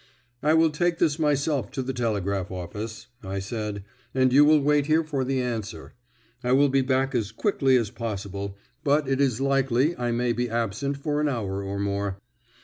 "I will take this myself to the telegraph office," I said, "and you will wait here for the answer. I will be back as quickly as possible, but it is likely I may be absent for an hour or more."